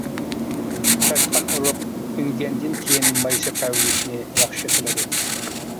چاچقان ئۇرۇق ئۈنگەندىن كېيىن مايسا پەرۋىشىنى ياخشى قىلىدۇ.